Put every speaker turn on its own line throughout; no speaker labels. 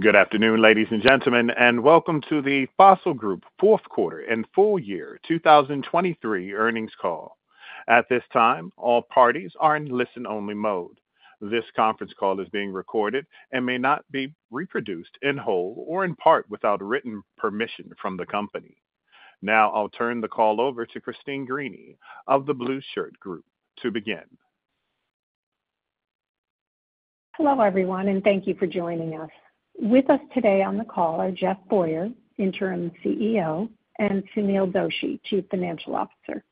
Good afternoon, ladies and gentlemen, and welcome to the Fossil Group fourth quarter and full year 2023 earnings call. At this time, all parties are in listen-only mode. This conference call is being recorded and may not be reproduced in whole or in part without written permission from the company. Now I'll turn the call over to Christine Greany of The Blueshirt Group to begin.
Hello, everyone, and thank you for joining us. With us today on the call are Jeff Boyer, Interim CEO, and Sunil Doshi, Chief Financial Officer.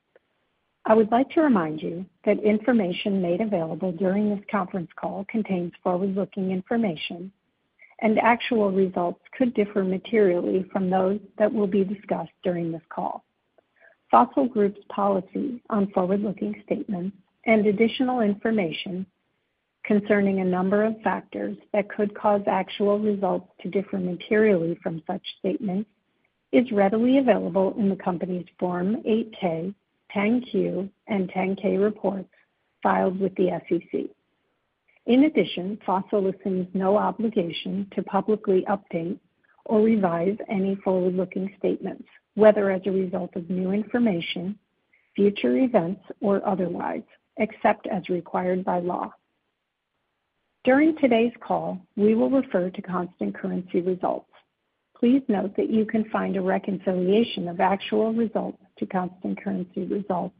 I would like to remind you that information made available during this conference call contains forward-looking information, and actual results could differ materially from those that will be discussed during this call. Fossil Group's policy on forward-looking statements and additional information concerning a number of factors that could cause actual results to differ materially from such statements is readily available in the company's Form 8-K, 10-Q, and 10-K reports filed with the SEC. In addition, Fossil assumes no obligation to publicly update or revise any forward-looking statements, whether as a result of new information, future events, or otherwise, except as required by law. During today's call, we will refer to constant currency results. Please note that you can find a reconciliation of actual results to constant currency results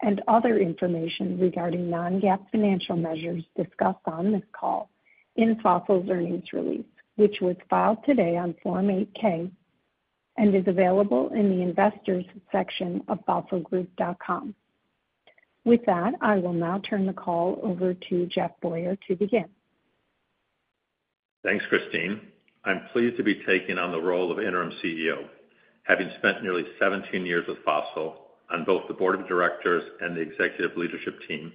and other information regarding non-GAAP financial measures discussed on this call in Fossil's earnings release, which was filed today on Form 8-K and is available in the Investors section of fossilgroup.com. With that, I will now turn the call over to Jeff Boyer to begin.
Thanks, Christine. I'm pleased to be taking on the role of Interim CEO. Having spent nearly 17 years with Fossil on both the board of directors and the executive leadership team,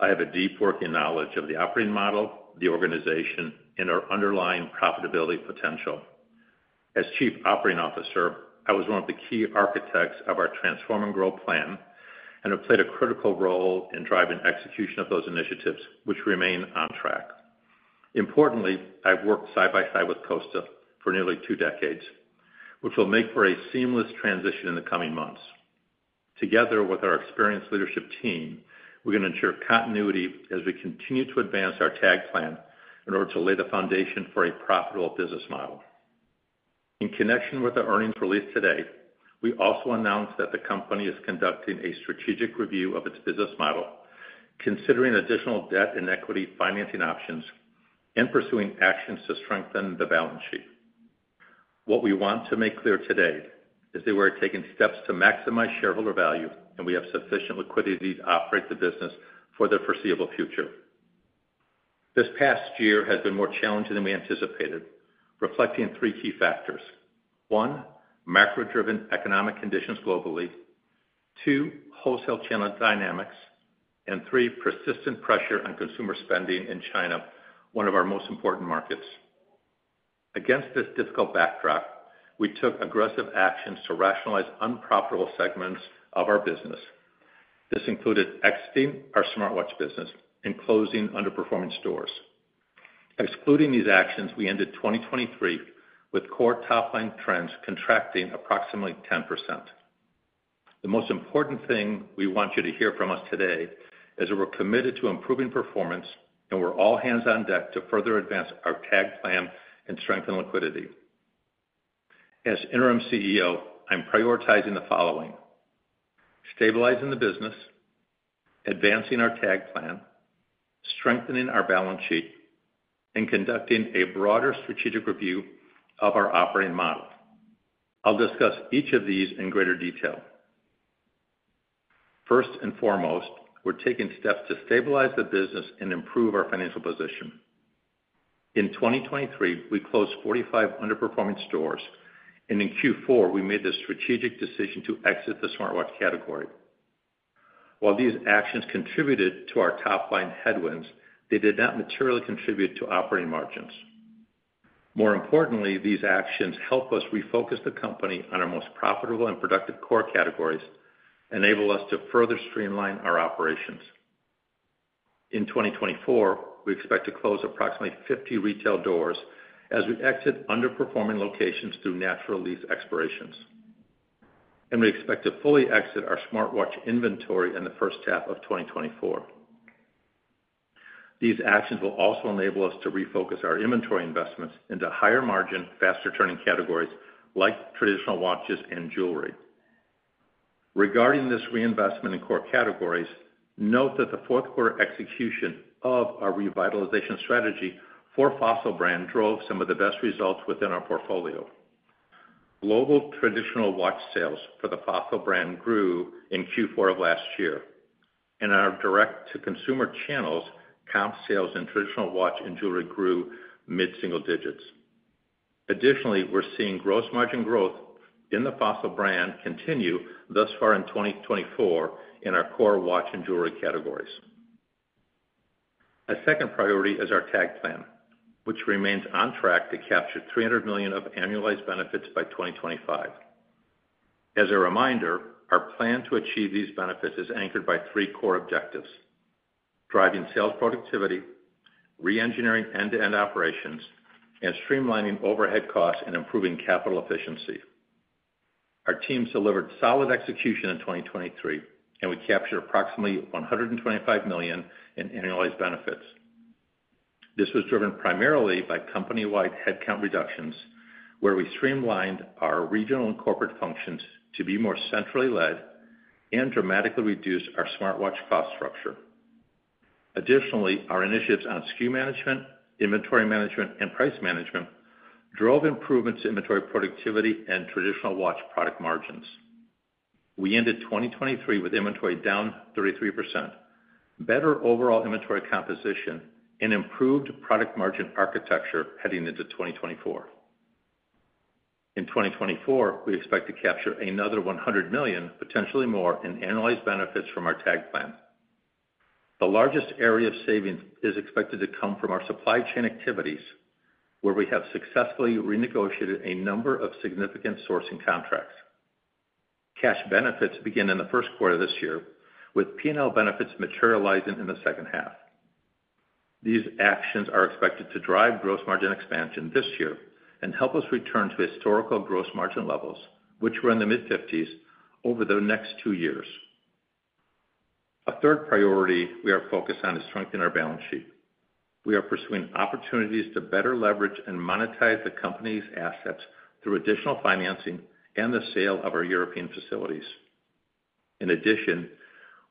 I have a deep working knowledge of the operating model, the organization, and our underlying profitability potential. As Chief Operating Officer, I was one of the key architects of our Transform and Grow plan and have played a critical role in driving execution of those initiatives, which remain on track. Importantly, I've worked side by side with Kosta for nearly 2 decades, which will make for a seamless transition in the coming months. Together with our experienced leadership team, we're going to ensure continuity as we continue to advance our TAG plan in order to lay the foundation for a profitable business model. In connection with the earnings release today, we also announced that the company is conducting a strategic review of its business model, considering additional debt and equity financing options, and pursuing actions to strengthen the balance sheet. What we want to make clear today is that we're taking steps to maximize shareholder value, and we have sufficient liquidity to operate the business for the foreseeable future. This past year has been more challenging than we anticipated, reflecting three key factors. One, macro-driven economic conditions globally. Two, wholesale channel dynamics. And three, persistent pressure on consumer spending in China, one of our most important markets. Against this difficult backdrop, we took aggressive actions to rationalize unprofitable segments of our business. This included exiting our smartwatch business and closing underperforming stores. Excluding these actions, we ended 2023 with core top line trends contracting approximately 10%. The most important thing we want you to hear from us today is that we're committed to improving performance, and we're all hands on deck to further advance our TAG plan and strengthen liquidity. As Interim CEO, I'm prioritizing the following: stabilizing the business, advancing our TAG plan, strengthening our balance sheet, and conducting a broader strategic review of our operating model. I'll discuss each of these in greater detail. First and foremost, we're taking steps to stabilize the business and improve our financial position. In 2023, we closed 45 underperforming stores, and in Q4, we made the strategic decision to exit the smartwatch category. While these actions contributed to our top line headwinds, they did not materially contribute to operating margins. More importantly, these actions help us refocus the company on our most profitable and productive core categories, enable us to further streamline our operations. In 2024, we expect to close approximately 50 retail doors as we exit underperforming locations through natural lease expirations, and we expect to fully exit our smartwatch inventory in the first half of 2024. These actions will also enable us to refocus our inventory investments into higher margin, faster turning categories like traditional watches and jewelry. Regarding this reinvestment in core categories, note that the fourth quarter execution of our revitalization strategy for Fossil brand drove some of the best results within our portfolio. Global traditional watch sales for the Fossil brand grew in Q4 of last year, and our direct-to-consumer channels, comp sales and traditional watch and jewelry grew mid-single digits. Additionally, we're seeing gross margin growth in the Fossil brand continue thus far in 2024 in our core watch and jewelry categories. A second priority is our TAG plan, which remains on track to capture $300 million of annualized benefits by 2025. As a reminder, our plan to achieve these benefits is anchored by three core objectives: driving sales productivity, reengineering end-to-end operations, and streamlining overhead costs and improving capital efficiency. Our team delivered solid execution in 2023, and we captured approximately $125 million in annualized benefits. This was driven primarily by company-wide headcount reductions, where we streamlined our regional and corporate functions to be more centrally led and dramatically reduced our smartwatch cost structure. Additionally, our initiatives on SKU management, inventory management, and price management drove improvements in inventory productivity and traditional watch product margins. We ended 2023 with inventory down 33%, better overall inventory composition, and improved product margin architecture heading into 2024. In 2024, we expect to capture another $100 million, potentially more, in annualized benefits from our TAG plan. The largest area of savings is expected to come from our supply chain activities, where we have successfully renegotiated a number of significant sourcing contracts. Cash benefits begin in the first quarter of this year, with P&L benefits materializing in the second half. These actions are expected to drive gross margin expansion this year and help us return to historical gross margin levels, which were in the mid-50s, over the next two years. A third priority we are focused on is strengthening our balance sheet. We are pursuing opportunities to better leverage and monetize the company's assets through additional financing and the sale of our European facilities. In addition,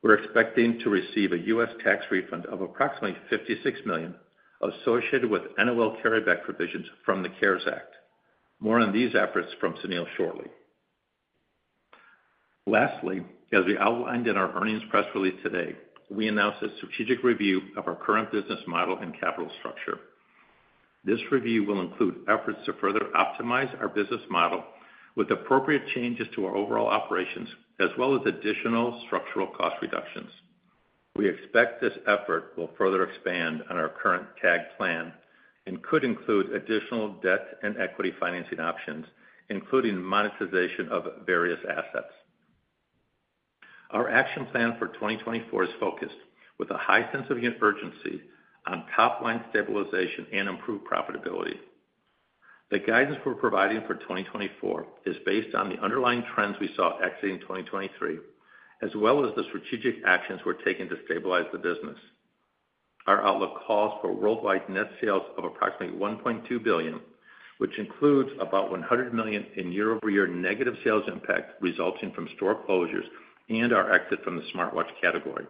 we're expecting to receive a U.S. tax refund of approximately $56 million associated with NOL carryback provisions from the CARES Act. More on these efforts from Sunil shortly. Lastly, as we outlined in our earnings press release today, we announced a strategic review of our current business model and capital structure. This review will include efforts to further optimize our business model with appropriate changes to our overall operations, as well as additional structural cost reductions. We expect this effort will further expand on our current TAG plan and could include additional debt and equity financing options, including monetization of various assets. Our action plan for 2024 is focused with a high sense of urgency on top-line stabilization and improved profitability. The guidance we're providing for 2024 is based on the underlying trends we saw exiting 2023, as well as the strategic actions we're taking to stabilize the business. Our outlook calls for worldwide net sales of approximately $1.2 billion, which includes about $100 million in year-over-year negative sales impact resulting from store closures and our exit from the smartwatch category.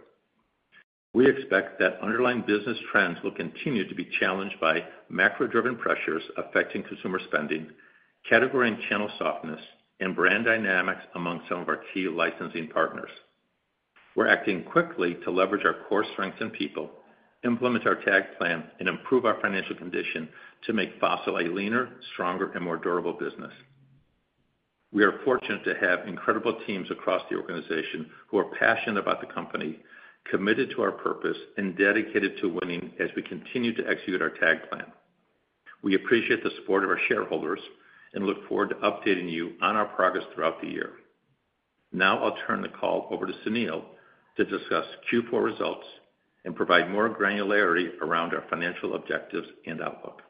We expect that underlying business trends will continue to be challenged by macro-driven pressures affecting consumer spending, category and channel softness, and brand dynamics among some of our key licensing partners. We're acting quickly to leverage our core strengths and people, implement our TAG plan, and improve our financial condition to make Fossil a leaner, stronger, and more durable business. We are fortunate to have incredible teams across the organization who are passionate about the company, committed to our purpose, and dedicated to winning as we continue to execute our TAG plan. We appreciate the support of our shareholders and look forward to updating you on our progress throughout the year. Now I'll turn the call over to Sunil to discuss Q4 results and provide more granularity around our financial objectives and outlook.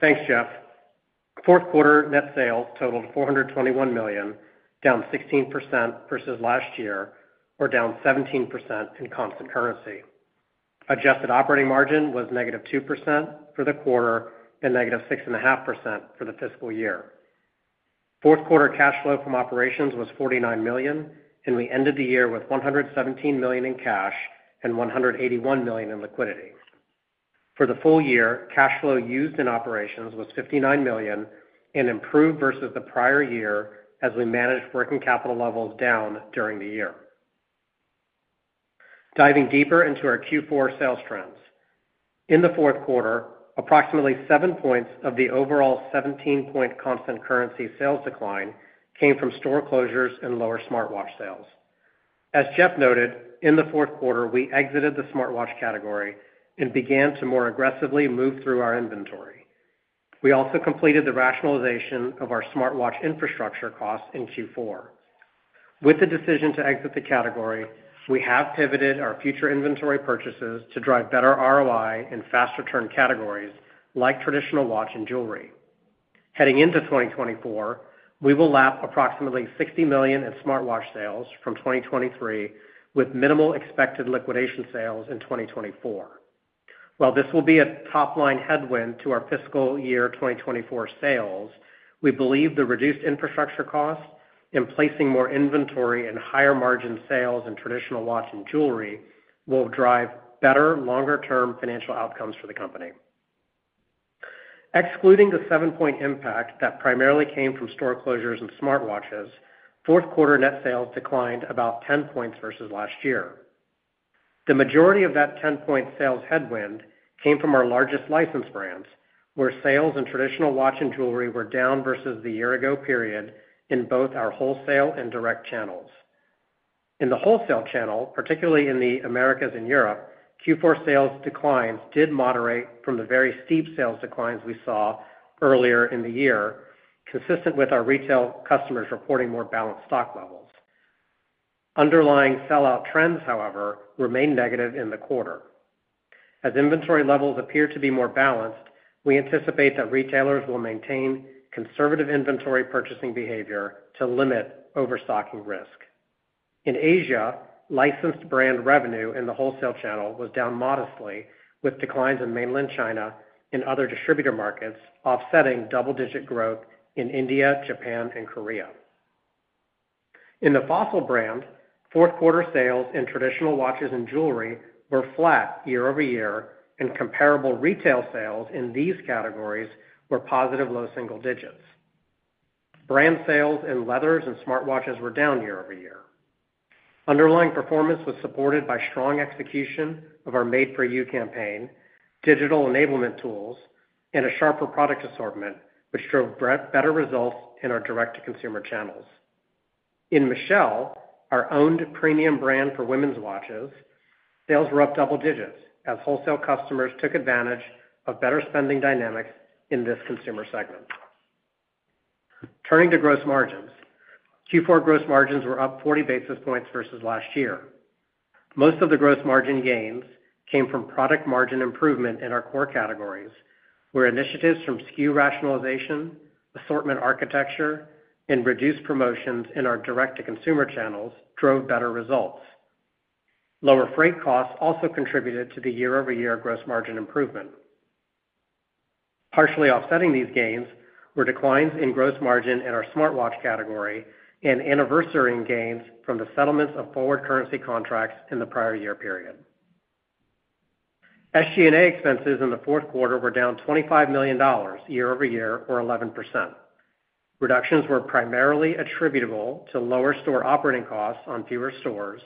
Thanks, Jeff. Fourth quarter net sales totaled $421 million, down 16% versus last year, or down 17% in constant currency. Adjusted operating margin was -2% for the quarter, and -6.5% for the fiscal year. Fourth quarter cash flow from operations was $49 million, and we ended the year with $117 million in cash and $181 million in liquidity. For the full year, cash flow used in operations was $59 million and improved versus the prior year as we managed working capital levels down during the year. Diving deeper into our Q4 sales trends. In the fourth quarter, approximately 7 points of the overall 17-point constant currency sales decline came from store closures and lower smartwatch sales. As Jeff noted, in the fourth quarter, we exited the smartwatch category and began to more aggressively move through our inventory. We also completed the rationalization of our smartwatch infrastructure costs in Q4. With the decision to exit the category, we have pivoted our future inventory purchases to drive better ROI in fast return categories like traditional watch and jewelry. Heading into 2024, we will lap approximately $60 million in smartwatch sales from 2023, with minimal expected liquidation sales in 2024. While this will be a top-line headwind to our fiscal year 2024 sales, we believe the reduced infrastructure costs in placing more inventory and higher margin sales in traditional watch and jewelry will drive better, longer-term financial outcomes for the company. Excluding the 7-point impact that primarily came from store closures and smartwatches, fourth quarter net sales declined about 10 points versus last year. The majority of that 10-point sales headwind came from our largest licensed brands, where sales in traditional watch and jewelry were down versus the year ago period in both our wholesale and direct channels. In the wholesale channel, particularly in the Americas and Europe, Q4 sales declines did moderate from the very steep sales declines we saw earlier in the year, consistent with our retail customers reporting more balanced stock levels. Underlying sell-out trends, however, remained negative in the quarter. As inventory levels appear to be more balanced, we anticipate that retailers will maintain conservative inventory purchasing behavior to limit overstocking risk. In Asia, licensed brand revenue in the wholesale channel was down modestly, with declines in mainland China and other distributor markets offsetting double-digit growth in India, Japan, and Korea. In the Fossil brand, fourth quarter sales in traditional watches and jewelry were flat year-over-year, and comparable retail sales in these categories were positive low single digits. Brand sales in leathers and smartwatches were down year-over-year. Underlying performance was supported by strong execution of our Made For This campaign, digital enablement tools, and a sharper product assortment, which drove better results in our direct-to-consumer channels. In Michele, our owned premium brand for women's watches, sales were up double digits as wholesale customers took advantage of better spending dynamics in this consumer segment. Turning to gross margins. Q4 gross margins were up 40 basis points versus last year. Most of the gross margin gains came from product margin improvement in our core categories, where initiatives from SKU rationalization, assortment architecture, and reduced promotions in our direct-to-consumer channels drove better results. Lower freight costs also contributed to the year-over-year gross margin improvement. Partially offsetting these gains were declines in gross margin in our smartwatch category and anniversarying gains from the settlements of forward currency contracts in the prior year period. SG&A expenses in the fourth quarter were down $25 million year-over-year, or 11%. Reductions were primarily attributable to lower store operating costs on fewer stores,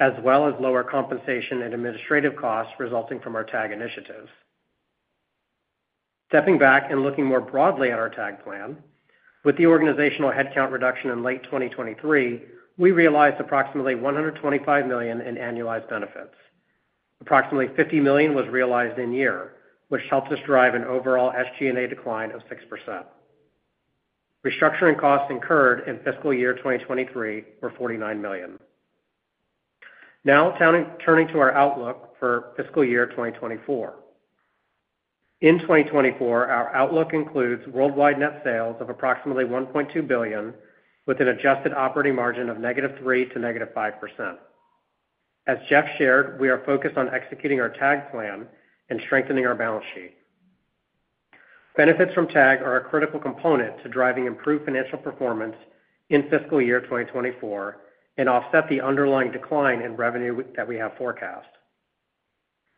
as well as lower compensation and administrative costs resulting from our TAG initiatives. Stepping back and looking more broadly at our TAG plan, with the organizational headcount reduction in late 2023, we realized approximately $125 million in annualized benefits. Approximately $50 million was realized in year, which helped us drive an overall SG&A decline of 6%. Restructuring costs incurred in fiscal year 2023 were $49 million. Now, turning to our outlook for fiscal year 2024. In 2024, our outlook includes worldwide net sales of approximately $1.2 billion, with an adjusted operating margin of -3% to -5%. As Jeff shared, we are focused on executing our TAG plan and strengthening our balance sheet. Benefits from TAG are a critical component to driving improved financial performance in fiscal year 2024 and offset the underlying decline in revenue that we have forecast.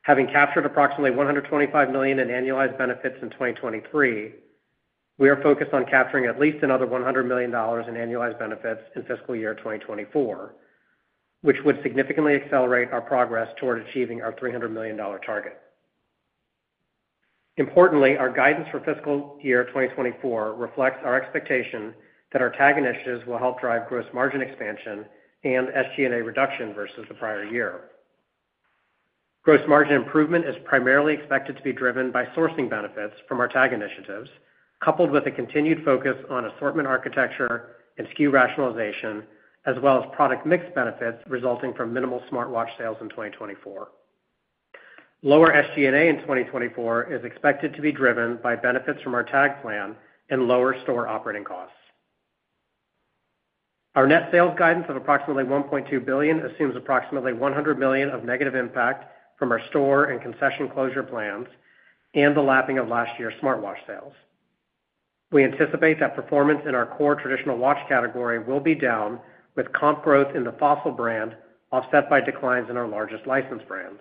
Having captured approximately $125 million in annualized benefits in 2023, we are focused on capturing at least another $100 million in annualized benefits in fiscal year 2024, which would significantly accelerate our progress toward achieving our $300 million target. Importantly, our guidance for fiscal year 2024 reflects our expectation that our TAG initiatives will help drive gross margin expansion and SG&A reduction versus the prior year. Gross margin improvement is primarily expected to be driven by sourcing benefits from our TAG initiatives, coupled with a continued focus on assortment architecture and SKU rationalization, as well as product mix benefits resulting from minimal smartwatch sales in 2024. Lower SG&A in 2024 is expected to be driven by benefits from our TAG plan and lower store operating costs. Our net sales guidance of approximately $1.2 billion assumes approximately $100 million of negative impact from our store and concession closure plans and the lapping of last year's smartwatch sales. We anticipate that performance in our core traditional watch category will be down, with comp growth in the Fossil brand offset by declines in our largest licensed brands,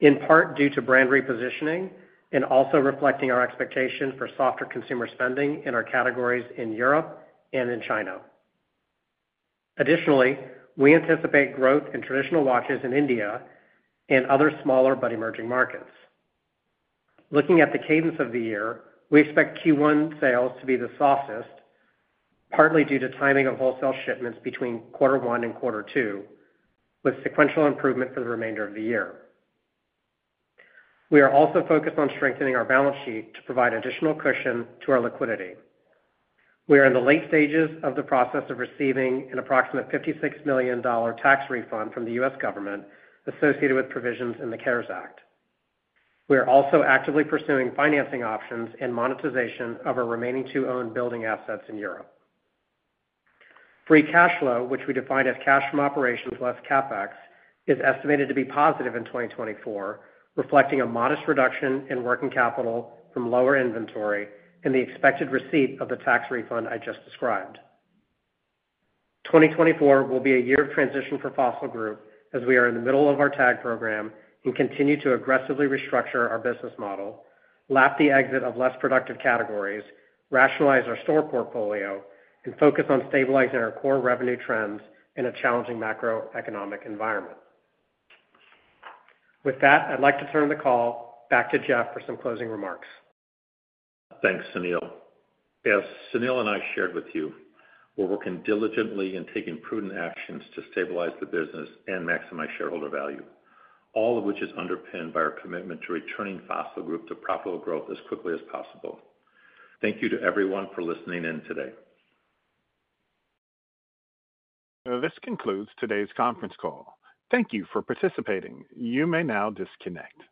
in part due to brand repositioning and also reflecting our expectation for softer consumer spending in our categories in Europe and in China. Additionally, we anticipate growth in traditional watches in India and other smaller but emerging markets. Looking at the cadence of the year, we expect Q1 sales to be the softest, partly due to timing of wholesale shipments between quarter one and quarter two, with sequential improvement for the remainder of the year. We are also focused on strengthening our balance sheet to provide additional cushion to our liquidity. We are in the late stages of the process of receiving an approximate $56 million tax refund from the U.S. government associated with provisions in the CARES Act. We are also actively pursuing financing options and monetization of our remaining two owned building assets in Europe. Free cash flow, which we define as cash from operations less CapEx, is estimated to be positive in 2024, reflecting a modest reduction in working capital from lower inventory and the expected receipt of the tax refund I just described. 2024 will be a year of transition for Fossil Group, as we are in the middle of our TAG program and continue to aggressively restructure our business model, lap the exit of less productive categories, rationalize our store portfolio, and focus on stabilizing our core revenue trends in a challenging macroeconomic environment. With that, I'd like to turn the call back to Jeff for some closing remarks.
Thanks, Sunil. As Sunil and I shared with you, we're working diligently and taking prudent actions to stabilize the business and maximize shareholder value, all of which is underpinned by our commitment to returning Fossil Group to profitable growth as quickly as possible. Thank you to everyone for listening in today.
This concludes today's conference call. Thank you for participating. You may now disconnect.